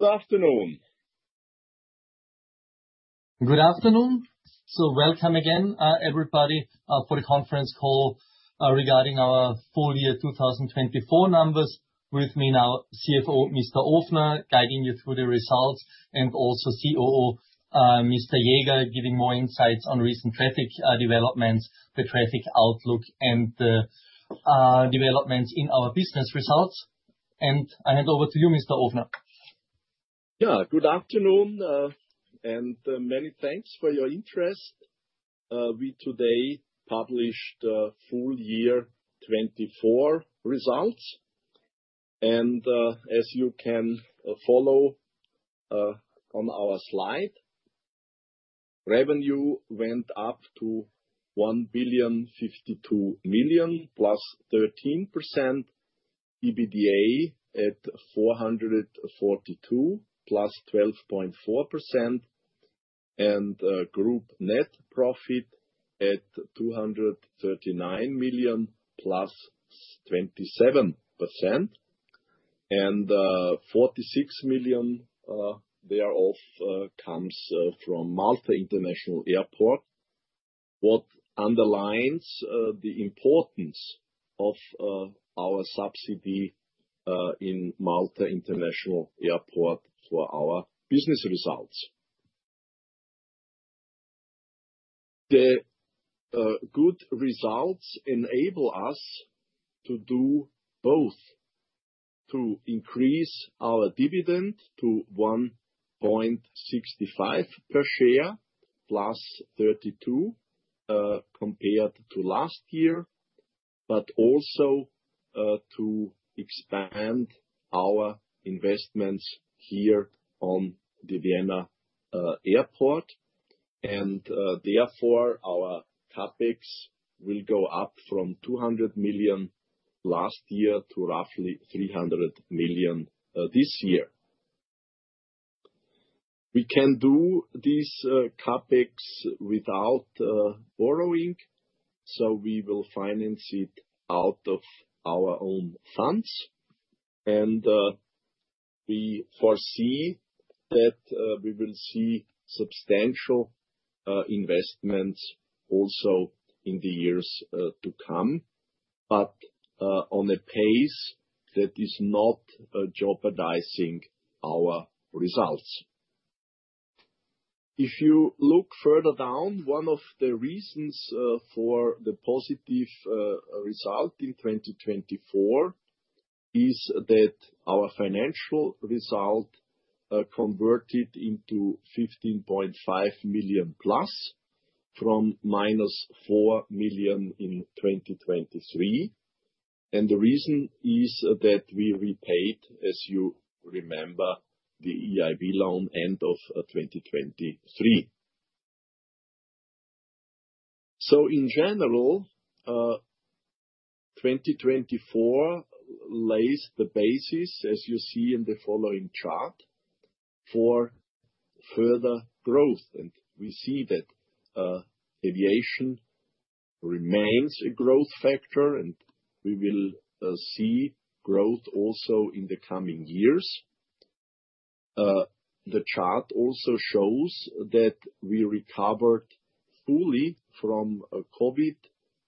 Good afternoon. Good afternoon, so welcome again, everybody, for the conference call regarding our full year 2024 numbers. With me now, CFO Mr. Ofner, guiding you through the results, and also COO Mr. Jäger giving more insights on recent traffic developments, the traffic outlook, and developments in our business results, and I hand over to you, Mr. Ofner. Yeah, good afternoon, and many thanks for your interest. We today published full year 2024 results. And as you can follow on our slide, revenue went up to 1.052 million +13%. EBITDA at 442,million +12.4%, and group net profit at 239 million +27%. And 46 million thereof comes from Malta International Airport, which underlines the importance of our subsidiary in Malta International Airport for our business results. The good results enable us to do both: to increase our dividend to 1.65 per share +32% compared to last year, but also to expand our investments here on the Vienna Airport. Therefore, our CAPEX will go up from 200 million last year to roughly 300 million this year. We can do this CAPEX without borrowing, so we will finance it out of our own funds. We foresee that we will see substantial investments also in the years to come, but on a pace that is not jeopardizing our results. If you look further down, one of the reasons for the positive result in 2024 is that our financial result converted into 15.5 million plus from -4 million in 2023. The reason is that we repaid, as you remember, the EIB loan end of 2023. In general, 2024 lays the basis, as you see in the following chart, for further growth. We see that aviation remains a growth factor, and we will see growth also in the coming years. The chart also shows that we recovered fully from COVID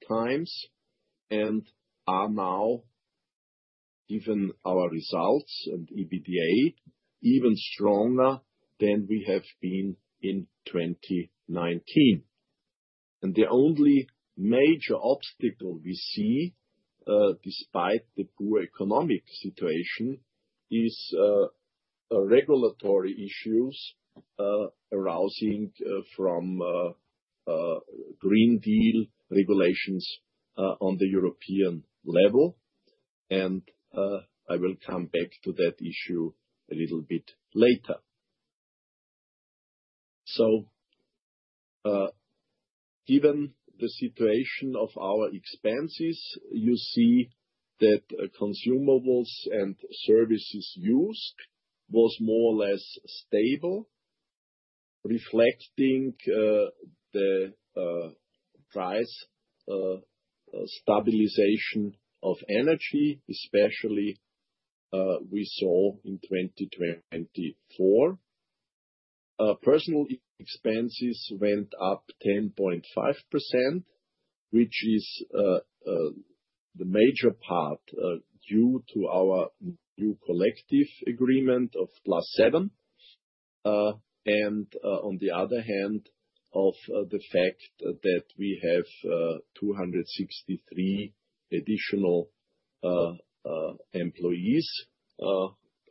times and are now given our results and EBITDA even stronger than we have been in 2019. The only major obstacle we see, despite the poor economic situation, is regulatory issues arising from Green Deal regulations on the European level. I will come back to that issue a little bit later. Given the situation of our expenses, you see that consumables and services used were more or less stable, reflecting the price stabilization of energy, especially we saw in 2024. Personal expenses went up 10.5%, which is the major part due to our new collective agreement of +7%, and on the other hand, of the fact that we have 263 additional employees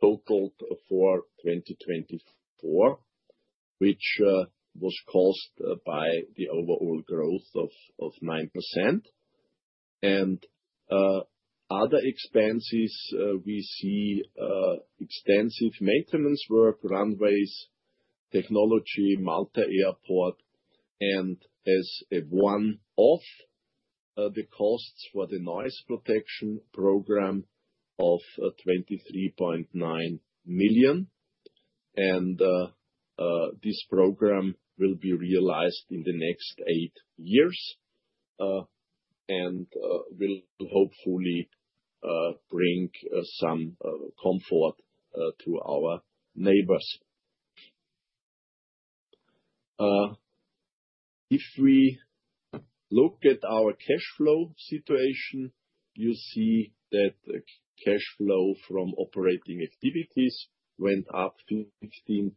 total for 2024, which was caused by the overall growth of 9%. Other expenses, we see extensive maintenance work, runways, technology, Malta Airport, and as one of the costs for the noise protection program of 23.9 million. And this program will be realized in the next eight years and will hopefully bring some comfort to our neighbors. If we look at our cash flow situation, you see that cash flow from operating activities went up 15%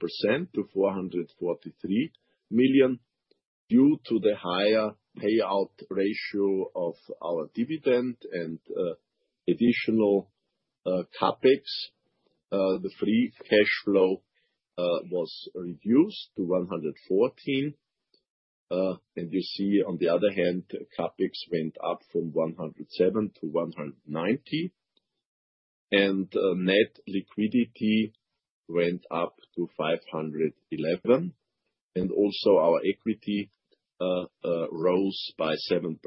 to 443 million due to the higher payout ratio of our dividend and additional CAPEX. The free cash flow was reduced to 114. And you see, on the other hand, CAPEX went up from 107-190. And net liquidity went up to 511. And also, our equity rose by 7%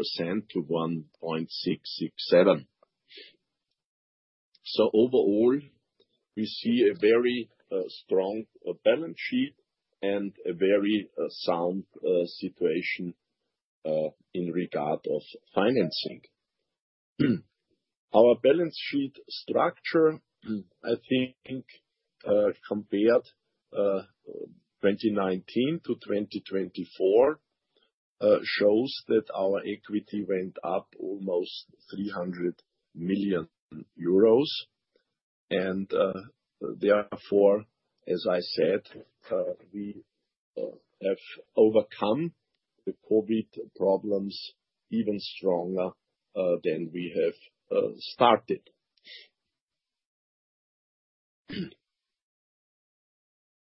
to 1.667. So overall, we see a very strong balance sheet and a very sound situation in regard to financing. Our balance sheet structure, I think, compared 2019 to 2024, shows that our equity went up almost 300 million euros. And therefore, as I said, we have overcome the COVID problems even stronger than we have started.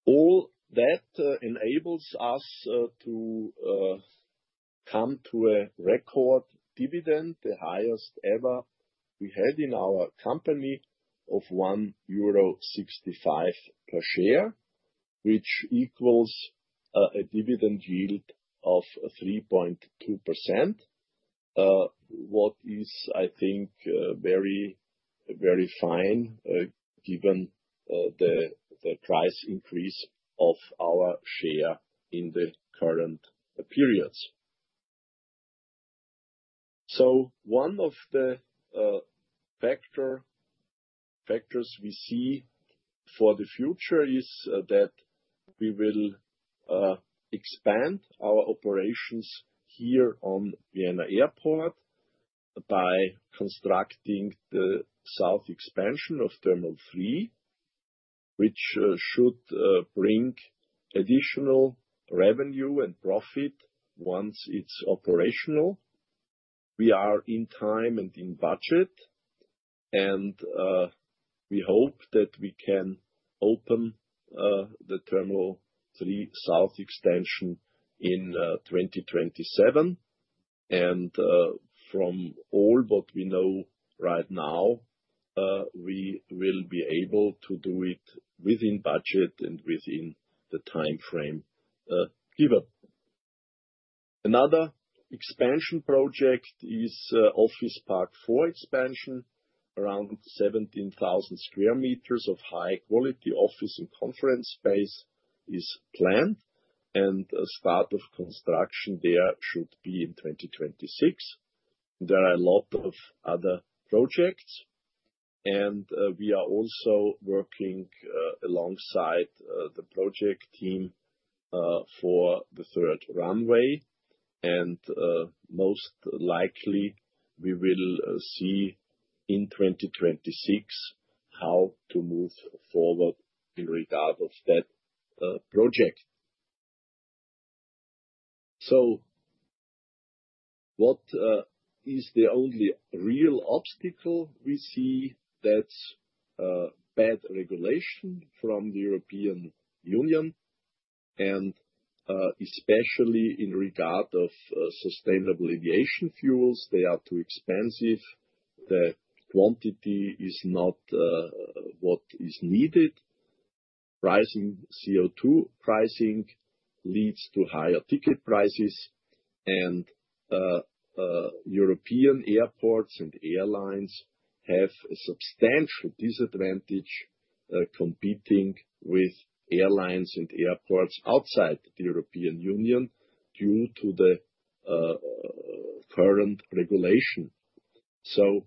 All that enables us to come to a record dividend, the highest ever we had in our company of 1.65 euro per share, which equals a dividend yield of 3.2%, what is, I think, very, very fine given the price increase of our share in the current periods, so one of the factors we see for the future is that we will expand our operations here on Vienna Airport by constructing the South Expansion of Terminal 3, which should bring additional revenue and profit once it's operational. We are in time and in budget, and we hope that we can open the Terminal 3 South Extension in 2027, and from all what we know right now, we will be able to do it within budget and within the timeframe given. Another expansion project is Office Park 4 expansion. Around 17,000 sq m of high-quality office and conference space is planned, and start of construction there should be in 2026. There are a lot of other projects, and we are also working alongside the project team for the Third Runway, and most likely we will see in 2026 how to move forward in regard of that project, so what is the only real obstacle we see? That's bad regulation from the European Union, and especially in regard of sustainable aviation fuels. They are too expensive. The quantity is not what is needed. CO2 pricing leads to higher ticket prices, and European airports and airlines have a substantial disadvantage competing with airlines and airports outside the European Union due to the current regulation. So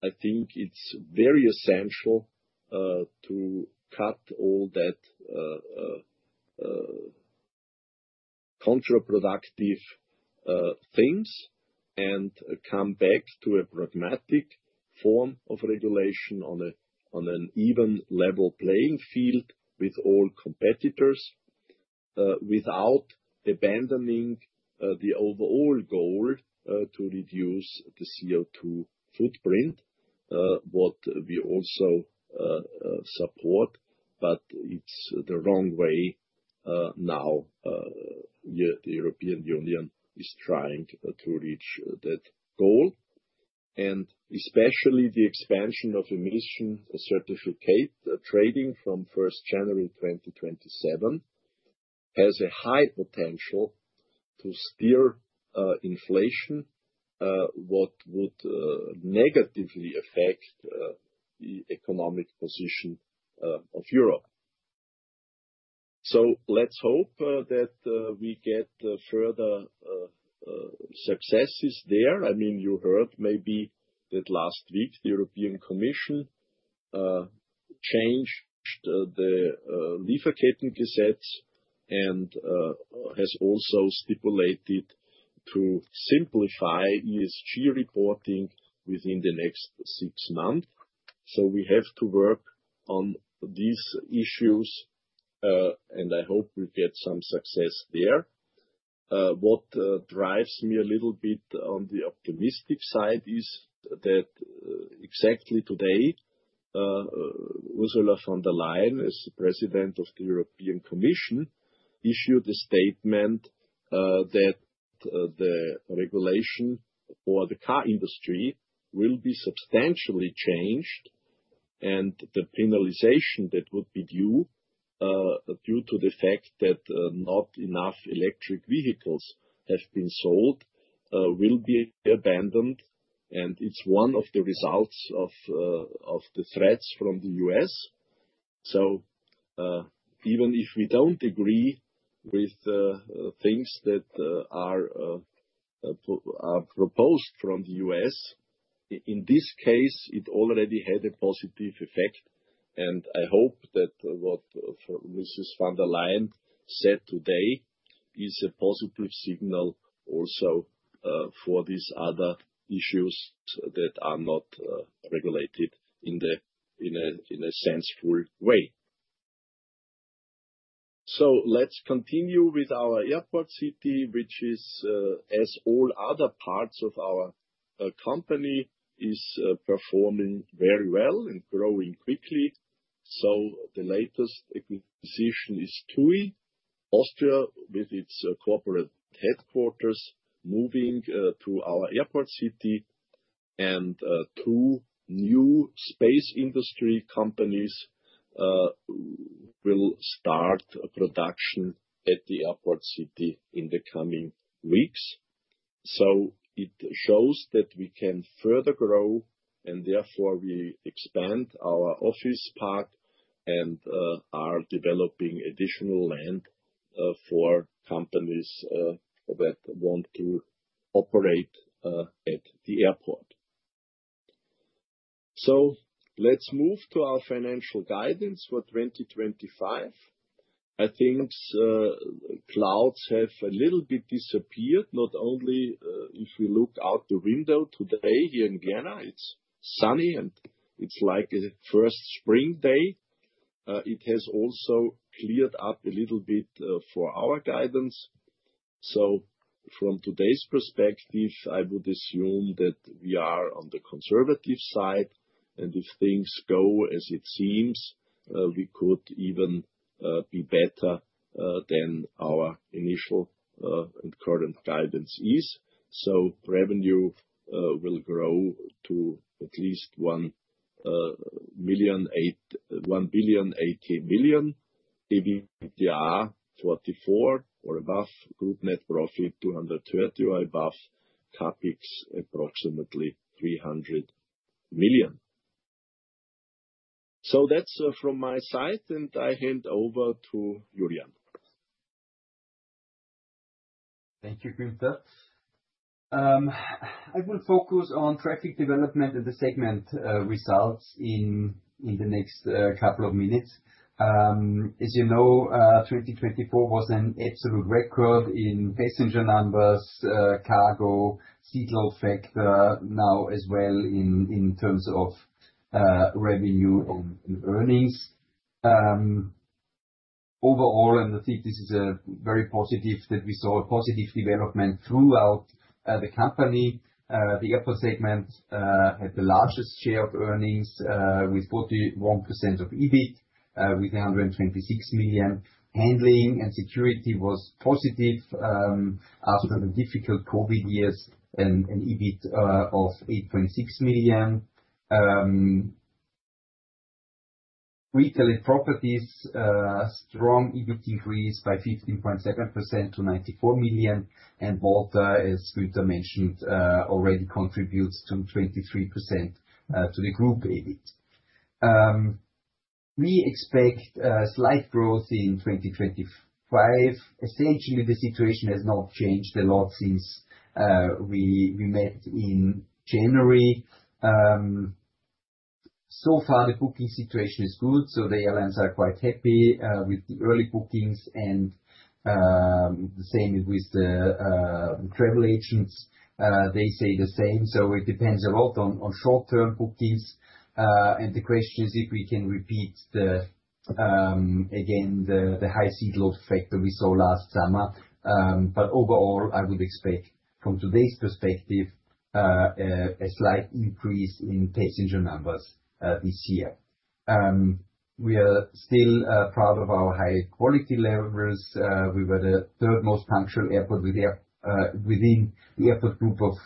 I think it's very essential to cut all that counterproductive things and come back to a pragmatic form of regulation on an even level playing field with all competitors without abandoning the overall goal to reduce the CO2 footprint, what we also support. But it's the wrong way now. The European Union is trying to reach that goal. And especially the expansion of emission certificate trading from 1st January 2027 has a high potential to steer inflation, what would negatively affect the economic position of Europe. So let's hope that we get further successes there. I mean, you heard maybe that last week the European Commission changed the Lieferkettengesetz and has also stipulated to simplify ESG reporting within the next six months. So we have to work on these issues, and I hope we get some success there. What drives me a little bit on the optimistic side is that exactly today, Ursula von der Leyen, as President of the European Commission, issued a statement that the regulation for the car industry will be substantially changed, and the penalization that would be due to the fact that not enough electric vehicles have been sold will be abandoned, and it's one of the results of the threats from the U.S. So even if we don't agree with things that are proposed from the U.S., in this case, it already had a positive effect, and I hope that what Mrs. von der Leyen said today is a positive signal also for these other issues that are not regulated in a sensible way, so let's continue with our Airport City, which, as all other parts of our company, is performing very well and growing quickly. So the latest acquisition is TUI Austria, with its corporate headquarters moving to our Airport City. And two new space industry companies will start production at the Airport City in the coming weeks. So it shows that we can further grow, and therefore we expand our office park and are developing additional land for companies that want to operate at the airport. So let's move to our financial guidance for 2025. I think clouds have a little bit disappeared, not only if we look out the window today here in Vienna. It's sunny, and it's like a first spring day. It has also cleared up a little bit for our guidance. So from today's perspective, I would assume that we are on the conservative side. And if things go as it seems, we could even be better than our initial and current guidance is. so revenue will grow to at least 1 billion, Eur 80 billion EBITDA 44 or above, group net profit 230 million or above, CAPEX approximately 300 million. That's from my side, and I hand over to Julian. Thank you, Günther. I will focus on traffic development and the segment results in the next couple of minutes. As you know, 2024 was an absolute record in passenger numbers, cargo, seat load factor, now as well in terms of revenue and earnings. Overall, and I think this is very positive that we saw a positive development throughout the company. The airport segment had the largest share of earnings with 41% of EBIT, with 126 million. Handling and security was positive after the difficult COVID years and EBIT of 8.6 million. Retail properties, strong EBIT increase by 15.7% to 94 million. And Malta, as Günther mentioned, already contributes 23% to the group EBIT. We expect slight growth in 2025. Essentially, the situation has not changed a lot since we met in January. So far, the booking situation is good. So the airlines are quite happy with the early bookings, and the same with the travel agents. They say the same. So it depends a lot on short-term bookings. And the question is if we can repeat again the high seat load factor we saw last summer. But overall, I would expect from today's perspective a slight increase in passenger numbers this year. We are still proud of our high-quality levels. We were the third most punctual airport within the airport group of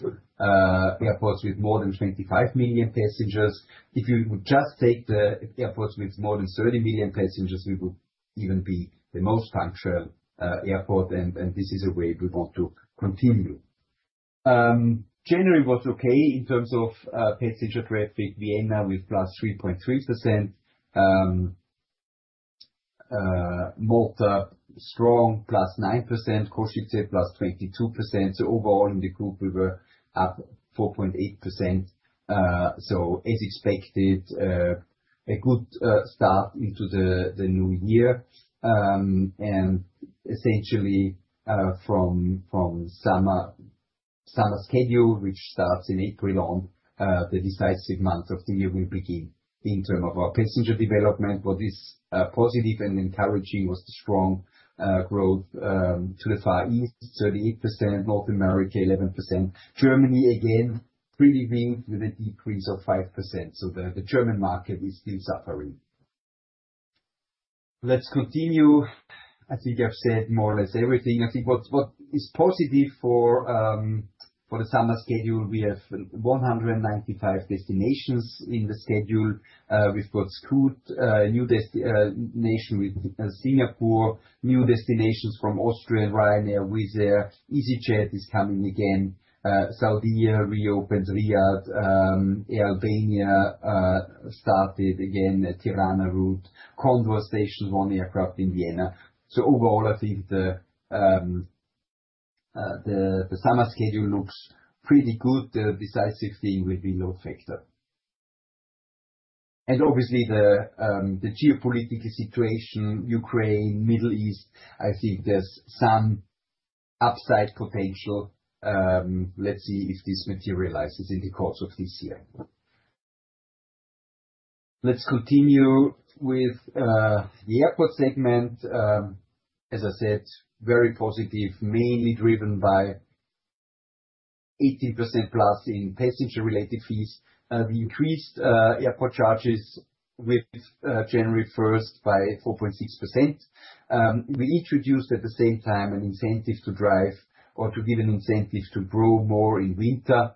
airports with more than 25 million passengers. If we would just take the airports with more than 30 million passengers, we would even be the most punctual airport. And this is a way we want to continue. January was okay in terms of passenger traffic. Vienna with +3.3%. Malta, strong, +9%. Košice, +22%. So overall, in the group, we were up 4.8%. So as expected, a good start into the new year. And essentially, from summer schedule, which starts in April, the decisive month of the year will begin in terms of our passenger development. What is positive and encouraging was the strong growth to the Far East, 38%. North America, 11%. Germany, again, pretty weak with a decrease of 5%. So the German market is still suffering. Let's continue. I think I've said more or less everything. I think what is positive for the summer schedule, we have 195 destinations in the schedule. We've got Scoot, a new destination with Singapore, new destinations from Austria, Ryanair, Wizz Air, easyJet is coming again. reopened [to] Riyadh. Air Albania started again [the] Tirana route. Condor [has a] station[ing with] one aircraft in Vienna. So overall, I think the summer schedule looks pretty good, the decisive thing with the load factor. And obviously, the geopolitical situation, Ukraine, Middle East, I think there's some upside potential. Let's see if this materializes in the course of this year. Let's continue with the airport segment. As I said, very positive, mainly driven by 18% plus in passenger-related fees. We increased airport charges with January 1st by 4.6%. We introduced at the same time an incentive to drive or to give an incentive to grow more in winter,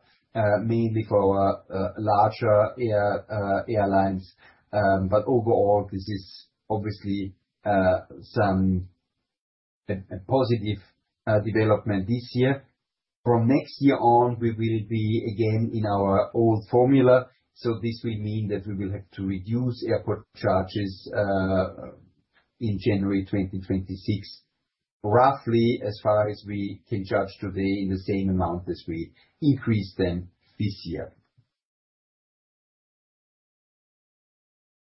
mainly for our larger airlines. But overall, this is obviously a positive development this year. From next year on, we will be again in our old formula. This will mean that we will have to reduce airport charges in January 2026, roughly as far as we can charge today in the same amount as we increased them this year.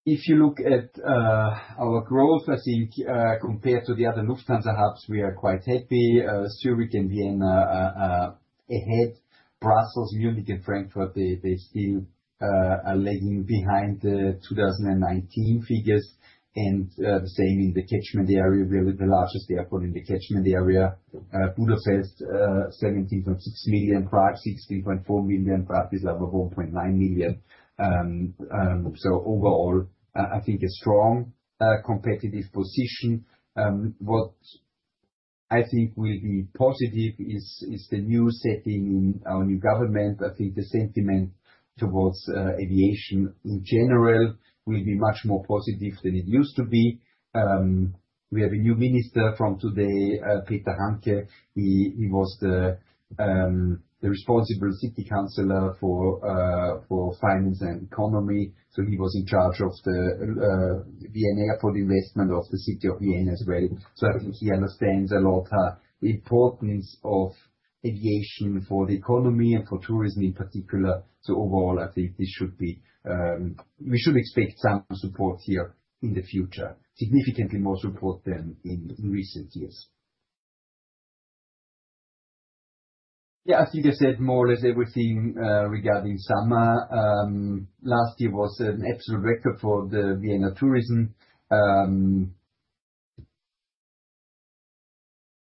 If you look at our growth, I think compared to the other Lufthansa hubs, we are quite happy. Zürich and Vienna ahead. Brussels, Munich, and Frankfurt, they still are lagging behind the 2019 figures. The same in the catchment area, really the largest airport in the catchment area. Budapest, 17.6 million. Prague, 16.4 million. Bratislava, 1.9 million. Overall, I think a strong competitive position. What I think will be positive is the new setting in our new government. The sentiment towards aviation in general will be much more positive than it used to be. We have a new minister from today, Peter Hanke. He was the responsible city councilor for finance and economy. So he was in charge of the Vienna Airport Investment of the City of Vienna as well. So I think he understands a lot the importance of aviation for the economy and for tourism in particular. So overall, I think we should expect some support here in the future, significantly more support than in recent years. Yeah, I think I said more or less everything regarding summer. Last year was an absolute record for the Vienna tourism.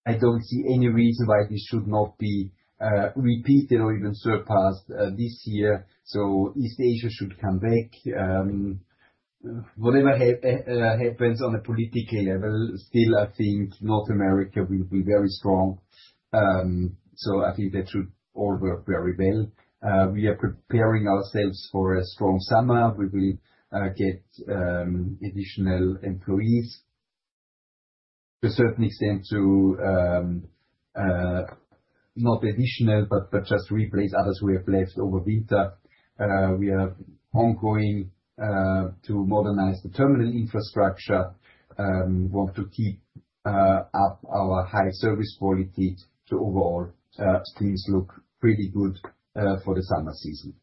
I don't see any reason why this should not be repeated or even surpassed this year. So East Asia should come back. Whatever happens on a political level, still, I think North America will be very strong. So I think that should all work very well. We are preparing ourselves for a strong summer. We will get additional employees to a certain extent, not additional, but just replace others we have left over winter. We are going to modernize the terminal infrastructure, want to keep up our high service quality, so overall things look pretty good for the summer season.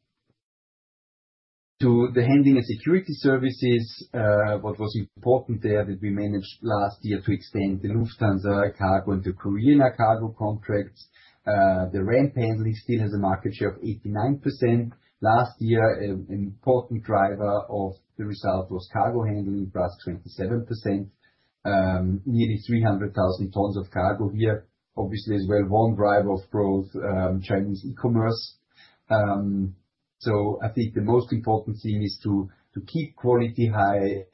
To the handling and security services, what was important there was that we managed last year to extend the Lufthansa Cargo into Korean Air Cargo contracts. The ramp handling still has a market share of 89%. Last year, an important driver of the result was cargo handling, +27%, nearly 300,000 tons of cargo here. Obviously, as well, one driver of growth, Chinese e-commerce. So I think the most important thing is to keep quality high,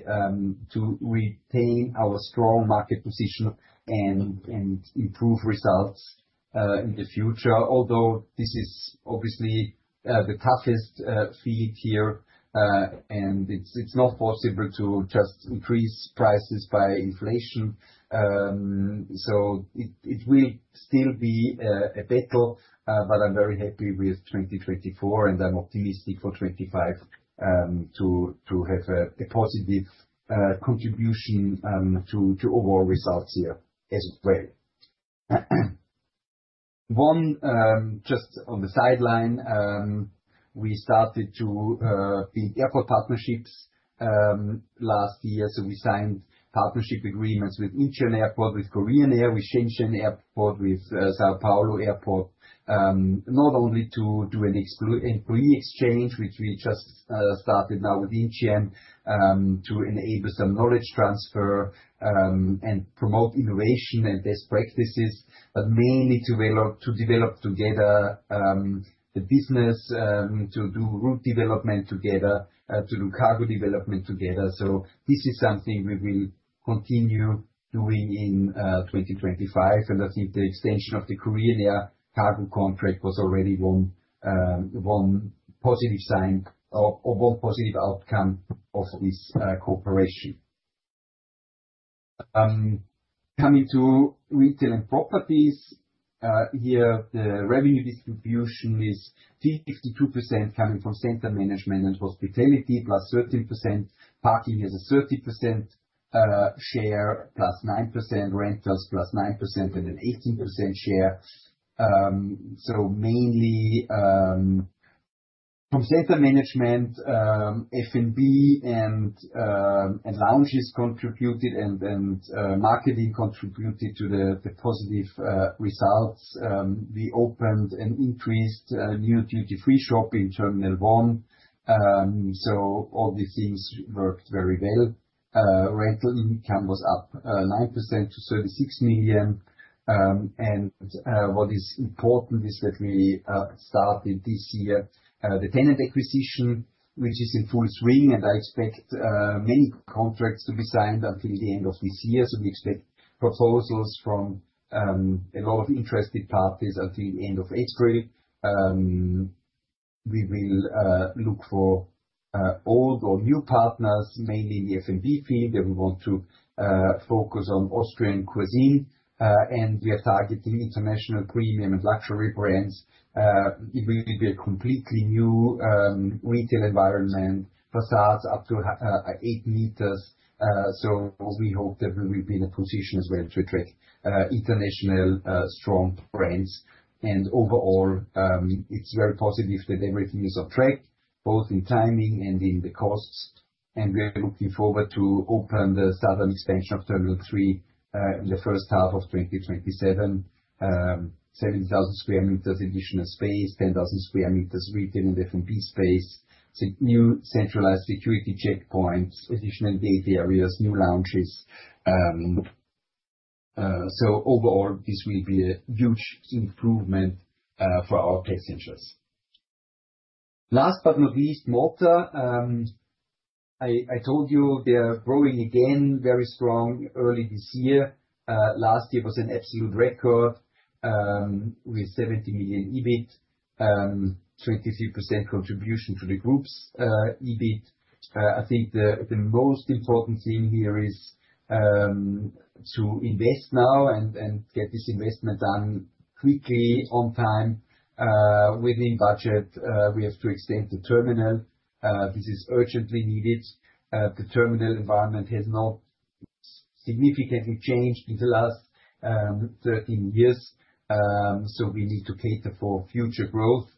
to retain our strong market position, and improve results in the future. Although this is obviously the toughest feat here, and it's not possible to just increase prices by inflation. So it will still be a battle, but I'm very happy with 2024, and I'm optimistic for 2025 to have a positive contribution to overall results here as well. Just on the sidelines, we started to build airport partnerships last year. So we signed partnership agreements with Incheon Airport, with Korean Air, with Shenzhen Airport, with São Paulo Airport, not only to do an employee exchange, which we just started now with Incheon, to enable some knowledge transfer and promote innovation and best practices, but mainly to develop together the business, to do route development together, to do cargo development together. So this is something we will continue doing in 2025. I think the extension of the Korean Air cargo contract was already one positive sign or one positive outcome of this cooperation. Coming to retail and properties, here, the revenue distribution is 52% coming from center management and hospitality, +13%. Parking has a 30% share, +9%, rentals +9%, and an 18% share. So mainly from center management, F&B and lounges contributed and marketing contributed to the positive results. We opened an increased new duty-free shop in Terminal 1. So all these things worked very well. Rental income was up 9% to 36 million. And what is important is that we started this year the tenant acquisition, which is in full swing, and I expect many contracts to be signed until the end of this year. So we expect proposals from a lot of interested parties until the end of April. We will look for old or new partners, mainly in the F&B field. We want to focus on Austrian cuisine, and we are targeting international premium and luxury brands. It will be a completely new retail environment, facades up to 8 m. So we hope that we will be in a position as well to attract international strong brands. And overall, it's very positive that everything is on track, both in timing and in the costs. And we are looking forward to open the Terminal 3 South Expansion in the first half of 2027, 70,000 sq m additional space, 10,000 sq m retail and F&B space, new centralized security checkpoints, additional gate areas, new lounges. So overall, this will be a huge improvement for our passengers. Last but not least, Malta. I told you they are growing again very strong early this year. Last year was an absolute record with 70 million EBIT, 23% contribution to the group's EBIT. I think the most important thing here is to invest now and get this investment done quickly, on time, within budget. We have to extend the terminal. This is urgently needed. The terminal environment has not significantly changed in the last 13 years. So we need to cater for future growth.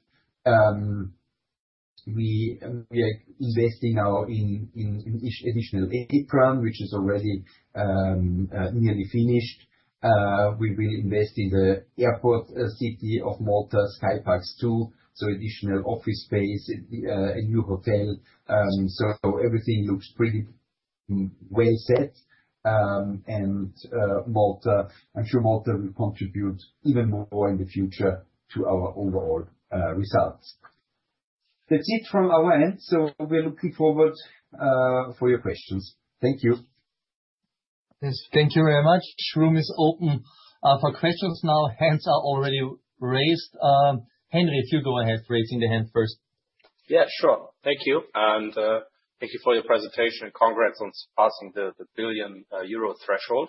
We are investing now in additional apron, which is already nearly finished. We will invest in the Airport City of Malta, SkyParks 2, so additional office space, a new hotel. So everything looks pretty well set. And I'm sure Malta will contribute even more in the future to our overall results. That's it from our end. So we're looking forward for your questions. Thank you. Thank you very much. Room is open for questions now. Hands are already raised. Henry, if you go ahead raising the hand first. Yeah, sure. Thank you. And thank you for your presentation. Congrats on surpassing the 1 billion euro threshold.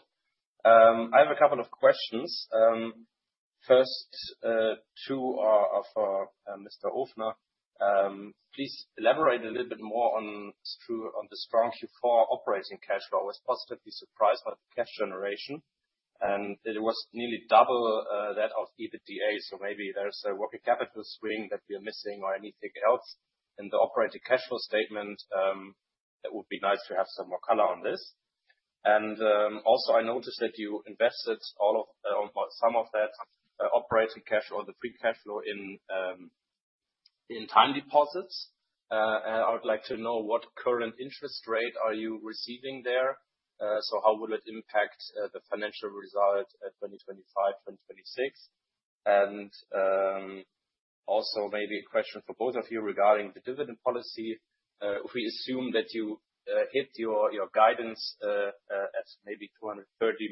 I have a couple of questions. First to Mr. Ofner, please elaborate a little bit more on the strong Q4 operating cash flow. I was positively surprised by the cash generation, and it was nearly double that of EBITDA. So maybe there's a working capital swing that we are missing or anything else in the operating cash flow statement. It would be nice to have some more color on this. And also, I noticed that you invested some of that operating cash or the free cash flow in time deposits. I would like to know what current interest rate are you receiving there? So how will it impact the financial result at 2025, 2026? And also maybe a question for both of you regarding the dividend policy. If we assume that you hit your guidance at maybe 230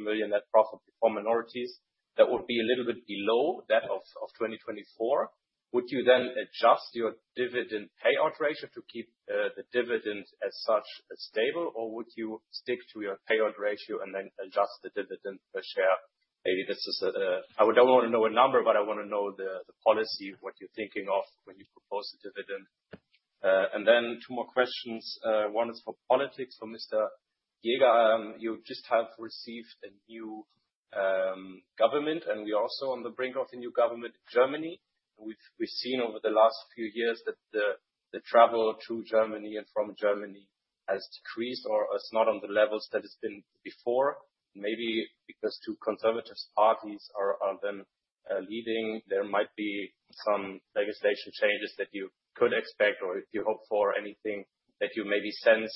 million net profit for minorities, that would be a little bit below that of 2024. Would you then adjust your dividend payout ratio to keep the dividend as such stable, or would you stick to your payout ratio and then adjust the dividend per share? Maybe this is a—I don't want to know a number, but I want to know the policy, what you're thinking of when you propose a dividend. And then two more questions. One is for politics. For Mr. Jäger, you just have received a new government, and we are also on the brink of a new government in Germany. We've seen over the last few years that the travel to Germany and from Germany has decreased or is not on the levels that it's been before. Maybe because two conservative parties are then leading, there might be some legislation changes that you could expect or you hope for, anything that you maybe sense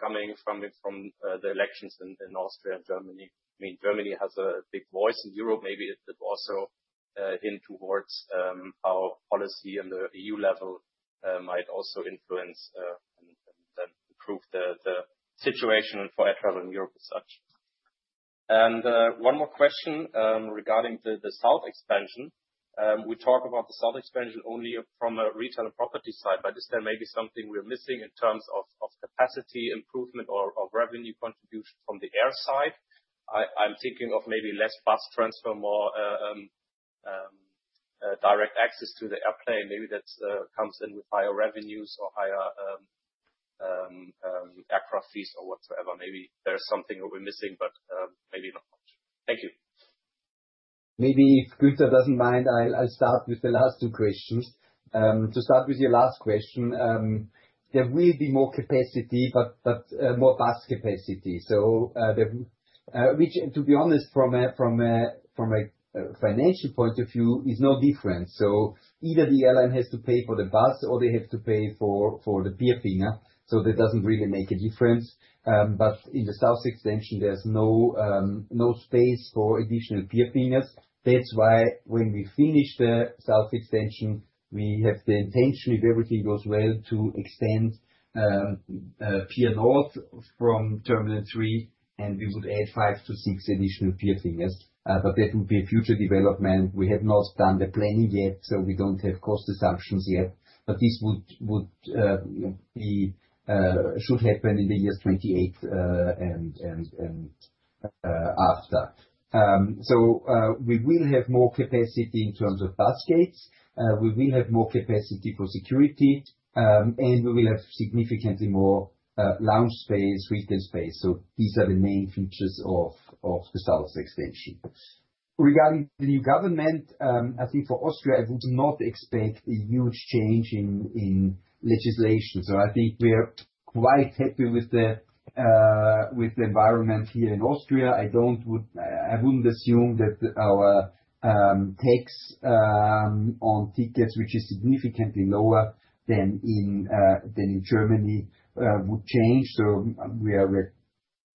coming from the elections in Austria and Germany. I mean, Germany has a big voice in Europe. Maybe it also hints towards how policy on the EU level might also influence and then improve the situation for air travel in Europe as such, and one more question regarding the south expansion. We talk about the south expansion only from a retail and property side, but is there maybe something we're missing in terms of capacity improvement or revenue contribution from the air side? I'm thinking of maybe less bus transfer, more direct access to the airplane. Maybe that comes in with higher revenues or higher aircraft fees or whatsoever. Maybe there's something we're missing, but maybe not much. Thank you. Maybe if Günther doesn't mind, I'll start with the last two questions. To start with your last question, there will be more capacity, but more bus capacity. So which, to be honest, from a financial point of view, is no difference. So either the airline has to pay for the bus or they have to pay for the pier finger. So that doesn't really make a difference. But in the South Extension, there's no space for additional pier fingers. That's why when we finish the South Extension, we have the intention, if everything goes well, to extend Pier North from Terminal 3, and we would add five to six additional pier fingers. But that would be a future development. We have not done the planning yet, so we don't have cost assumptions yet, but this should happen in 2028 and after. So we will have more capacity in terms of bus gates. We will have more capacity for security, and we will have significantly more lounge space, retail space. So these are the main features of the south extension. Regarding the new government, I think for Austria, I would not expect a huge change in legislation, so I think we're quite happy with the environment here in Austria. I wouldn't assume that our tax on tickets, which is significantly lower than in Germany, would change, so we are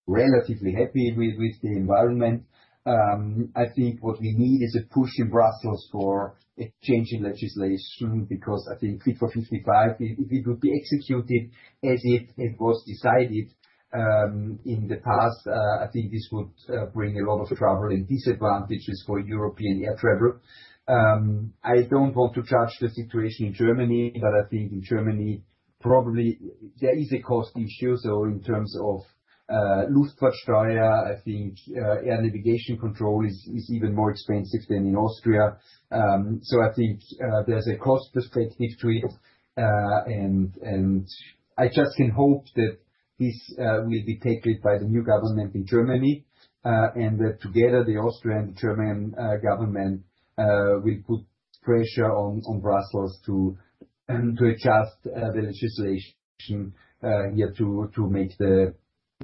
relatively happy with the environment. I think what we need is a push in Brussels for a change in legislation because I think FIT for 55, if it would be executed as it was decided in the past, I think this would bring a lot of travel and disadvantages for European air travel. I don't want to judge the situation in Germany, but I think in Germany, probably there is a cost issue. So in terms of Luftfahrtsteuer, I think air navigation control is even more expensive than in Austria. So I think there's a cost perspective to it, and I just can hope that this will be taken by the new government in Germany and that together the Austrian and the German government will put pressure on Brussels to adjust the legislation here to make the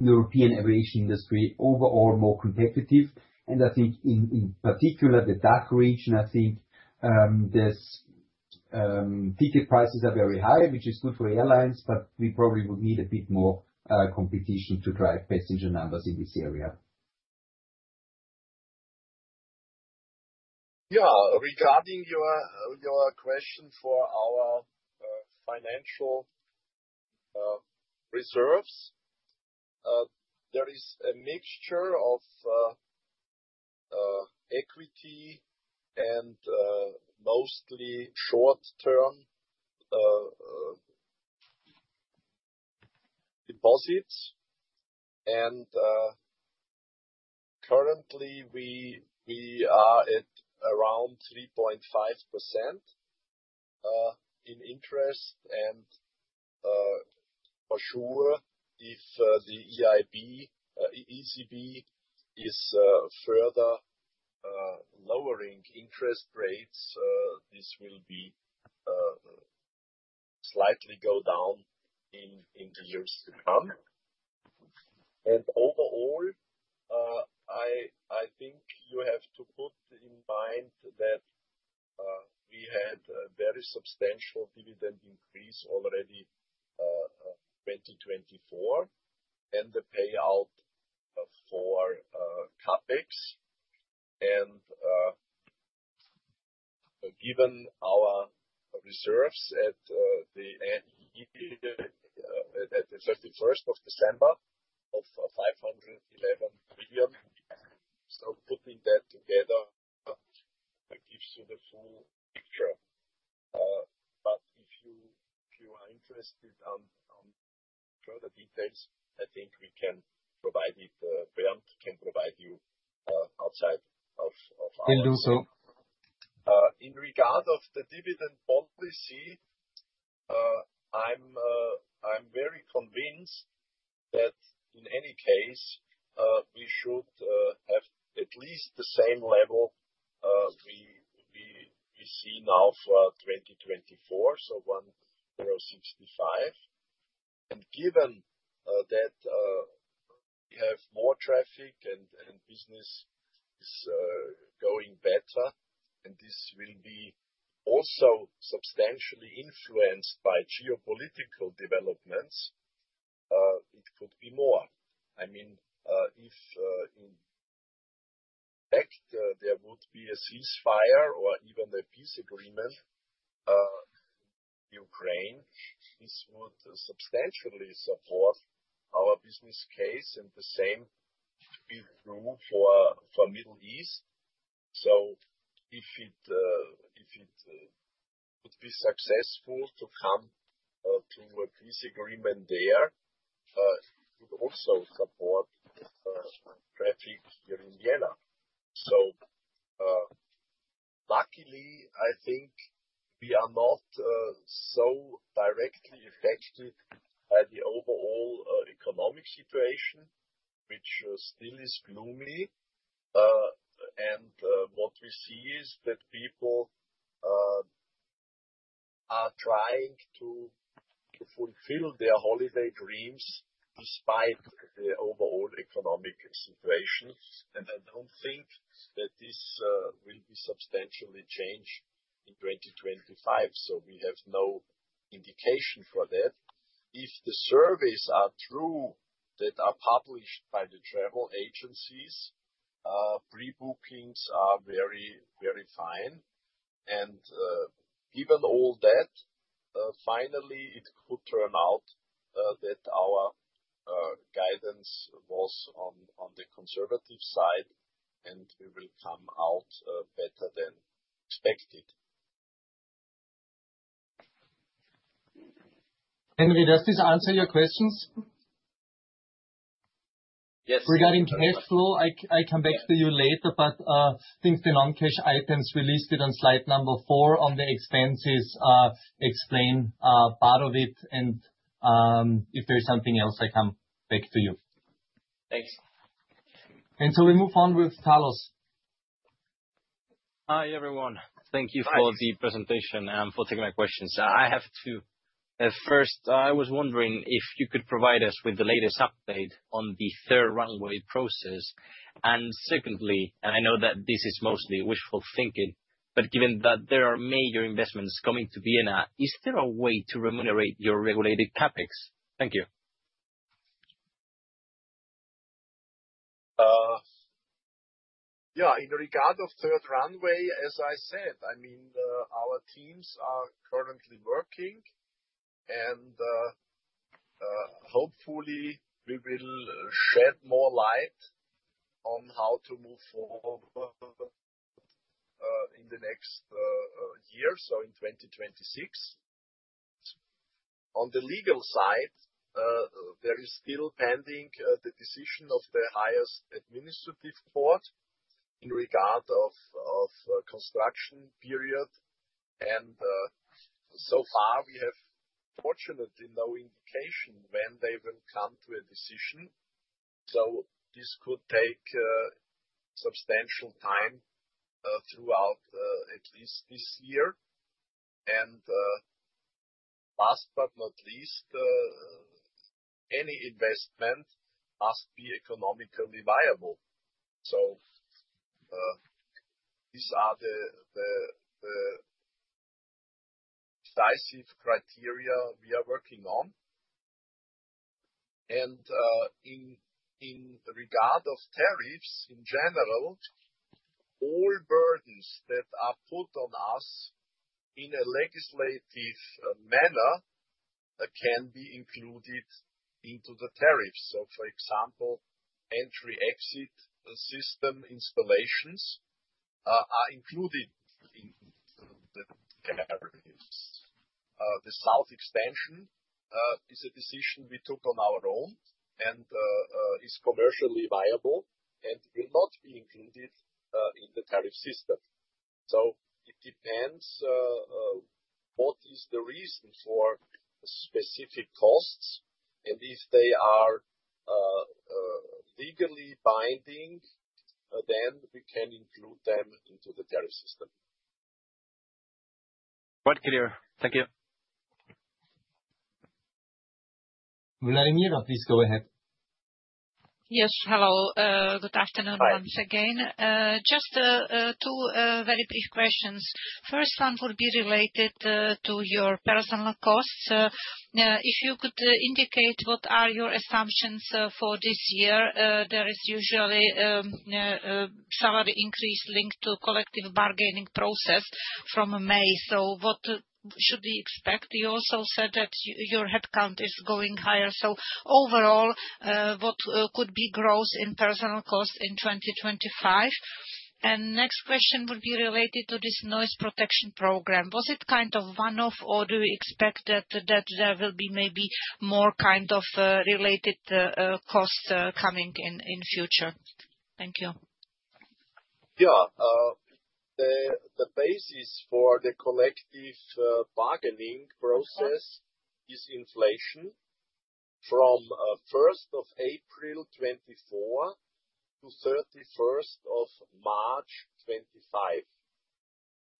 European aviation industry overall more competitive. I think in particular the DACH region, I think ticket prices are very high, which is good for airlines, but we probably would need a bit more competition to drive passenger numbers in this area. Yeah. Regarding your question for our financial reserves, there is a mixture of equity and mostly short-term deposits. Currently, we are at around 3.5% in interest. For sure, if the ECB is further lowering interest rates, this will slightly go down in the years to come. Overall, I think you have to put in mind that we had a very substantial dividend increase already in 2024 and the payout for CAPEX. Given our reserves at the 31st of December of 511 million, so putting that together gives you the full picture. If you are interested in further details, I think Bernd can provide you outside of our expertise. Will do so. In regard to the dividend policy, I'm very convinced that in any case, we should have at least the same level we see now for 2024, so 1.65, and given that we have more traffic and business is going better, and this will be also substantially influenced by geopolitical developments, it could be more. I mean, if in fact there would be a ceasefire or even a peace agreement with Ukraine, this would substantially support our business case, and the same would be true for the Middle East, so if it would be successful to come to a peace agreement there, it would also support traffic here in Vienna, so luckily, I think we are not so directly affected by the overall economic situation, which still is gloomy, and what we see is that people are trying to fulfill their holiday dreams despite the overall economic situation. I don't think that this will be substantially changed in 2025. So we have no indication for that. If the surveys are true that are published by the travel agencies, pre-bookings are very fine. Given all that, finally, it could turn out that our guidance was on the conservative side, and we will come out better than expected. Henry, does this answer your questions? Yes. Regarding cash flow, I'll come back to you later, but I think the non-cash items released on slide number four on the expenses explain part of it. If there's something else, I'll come back to you. Thanks. We move on with Carlos. Hi everyone. Thank you for the presentation and for taking my questions. I have two. First, I was wondering if you could provide us with the latest update on the Third Runway process. And secondly, and I know that this is mostly wishful thinking, but given that there are major investments coming to Vienna, is there a way to remunerate your regulated CAPEX? Thank you. Yeah. In regard to Third Runway, as I said, I mean, our teams are currently working, and hopefully, we will shed more light on how to move forward in the next year, so in 2026. On the legal side, there is still pending the decision of the highest administrative court in regard to the construction period, and so far, we have fortunately no indication when they will come to a decision. So this could take substantial time throughout at least this year, and last but not least, any investment must be economically viable. So these are the decisive criteria we are working on. In regard to tariffs in general, all burdens that are put on us in a legislative manner can be included into the tariffs. For example, Entry-Exit System installations are included in the tariffs. The south extension is a decision we took on our own and is commercially viable and will not be included in the tariff system. It depends on what is the reason for specific costs, and if they are legally binding, then we can include them into the tariff system. Quite clear. Thank you. Vladimir, please go ahead. Yes. Hello. Good afternoon once again. Just two very brief questions. First one would be related to your personnel costs. If you could indicate what are your assumptions for this year, there is usually a salary increase linked to the collective bargaining process from May. What should we expect? You also said that your headcount is going higher. So overall, what could be growth in personnel costs in 2025? And the next question would be related to this Noise Protection Program. Was it kind of one-off, or do you expect that there will be maybe more kind of related costs coming in the future? Thank you. Yeah. The basis for the collective bargaining process is inflation from 1st of April 2024 to 31st of March 2025.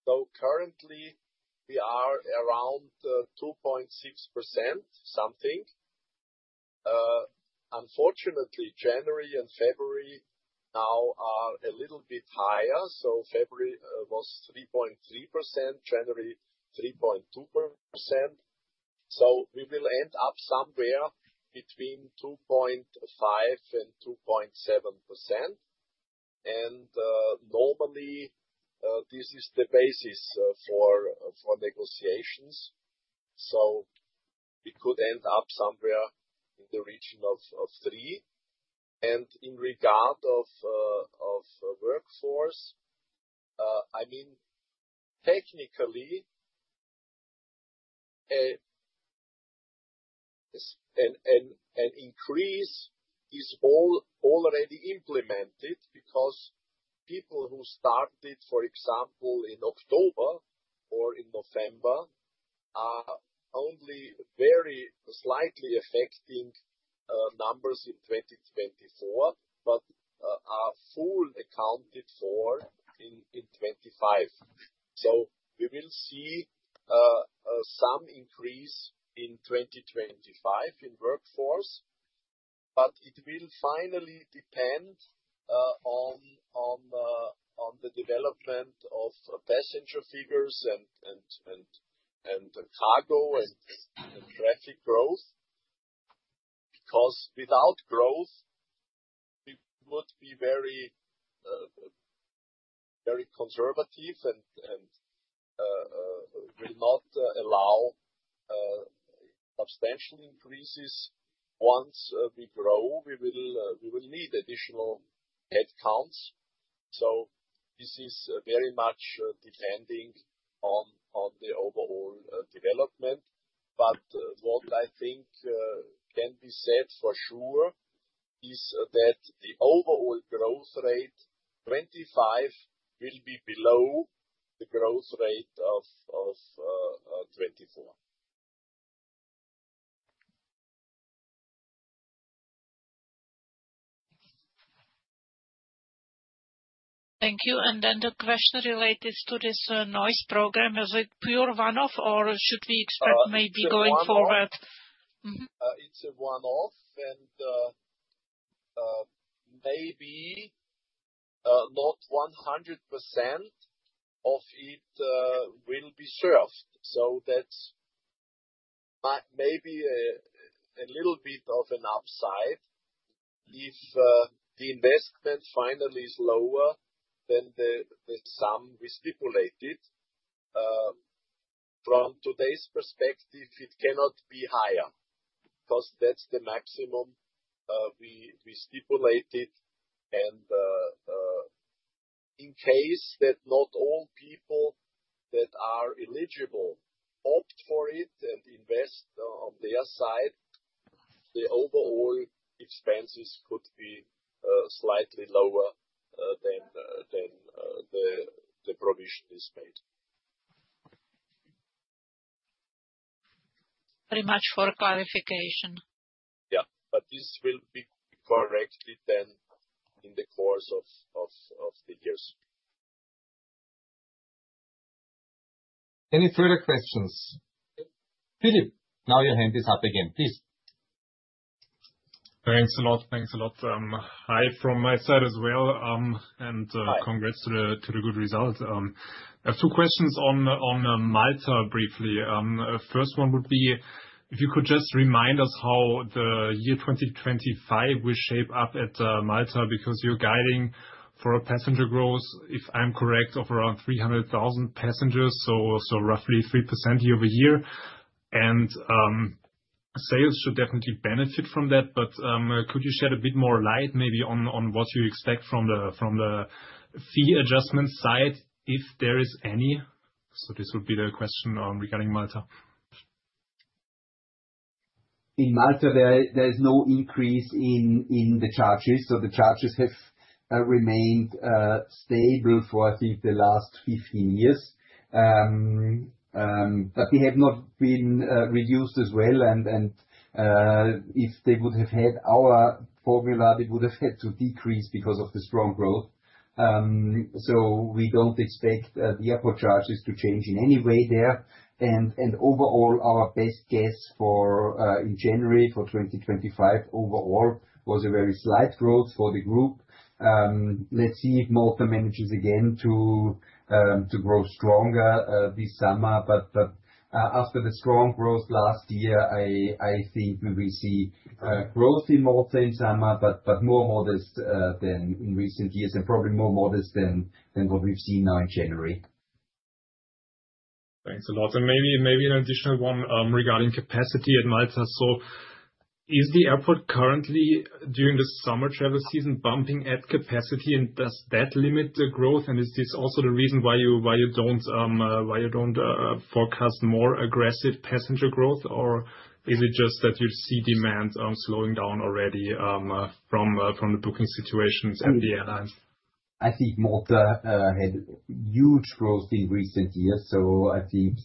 So currently, we are around 2.6% something. So unfortunately, January and February now are a little bit higher. So February was 3.3%, January 3.2%. So we will end up somewhere between 2.5% and 2.7%. And normally, this is the basis for negotiations. So we could end up somewhere in the region of 3%. And in regard to workforce, I mean, technically, an increase is already implemented because people who started, for example, in October or in November, are only very slightly affecting numbers in 2024, but are fully accounted for in 2025. So we will see some increase in 2025 in workforce, but it will finally depend on the development of passenger figures and cargo and traffic growth because without growth, we would be very conservative and will not allow substantial increases. Once we grow, we will need additional headcounts. So this is very much depending on the overall development. But what I think can be said for sure is that the overall growth rate, 2025, will be below the growth rate of 2024. Thank you. And then the question related to this noise program, is it pure one-off, or should we expect maybe going forward? It's a one-off. It's a one-off, and maybe not 100% of it will be served. So that's maybe a little bit of an upside if the investment finally is lower than the sum we stipulated. From today's perspective, it cannot be higher because that's the maximum we stipulated. And in case that not all people that are eligible opt for it and invest on their side, the overall expenses could be slightly lower than the provision is made. Very much for clarification. Yeah. But this will be corrected then in the course of the years. Any further questions? Philip, now your hand is up again. Please. Thanks a lot. Thanks a lot. Hi from my side as well. And congrats to the good result. I have two questions on Malta briefly. First one would be if you could just remind us how the year 2025 will shape up at Malta because you're guiding for passenger growth, if I'm correct, of around 300,000 passengers, so roughly 3% year over year, and sales should definitely benefit from that, but could you shed a bit more light maybe on what you expect from the fee adjustment side, if there is any, so this would be the question regarding Malta. In Malta, there is no increase in the charges, so the charges have remained stable for, I think, the last 15 years, but they have not been reduced as well, and if they would have had our formula, they would have had to decrease because of the strong growth, so we don't expect the airport charges to change in any way there. Overall, our best guess in January for 2025 overall was a very slight growth for the group. Let's see if Malta manages again to grow stronger this summer. After the strong growth last year, I think we will see growth in Malta in summer, but more modest than in recent years and probably more modest than what we've seen now in January. Thanks a lot. Maybe an additional one regarding capacity at Malta. Is the airport currently during the summer travel season bumping at capacity, and does that limit the growth? Is this also the reason why you don't forecast more aggressive passenger growth, or is it just that you see demand slowing down already from the booking situations at the airlines? I think Malta had huge growth in recent years, so I think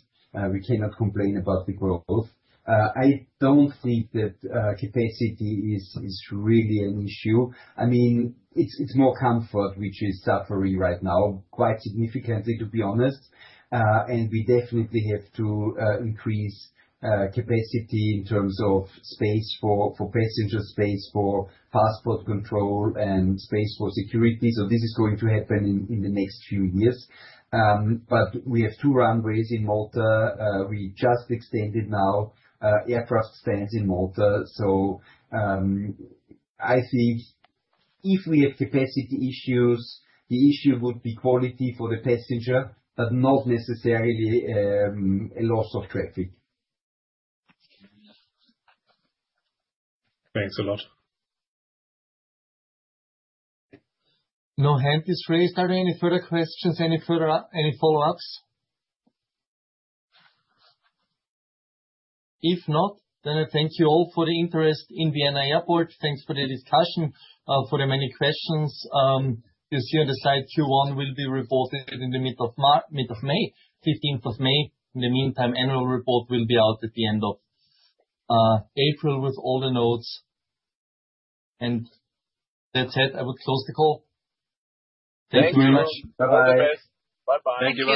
we cannot complain about the growth. I don't think that capacity is really an issue. I mean, it's more comfort, which is suffering right now quite significantly, to be honest, and we definitely have to increase capacity in terms of space for passenger space, for passport control, and space for security, so this is going to happen in the next few years, but we have two runways in Malta. We just extended now aircraft stands in Malta, so I think if we have capacity issues, the issue would be quality for the passenger, but not necessarily a loss of traffic. Thanks a lot. No hand is raised. Are there any further questions, any follow-ups? If not, then I thank you all for the interest in Vienna Airport. Thanks for the discussion, for the many questions. You see on the slide, Q1 will be reported in the mid of May, 15th of May. In the meantime, the annual report will be out at the end of April with all the notes. And that's it. I would close the call. Thank you very much. Bye-bye. Bye-bye. Thank you.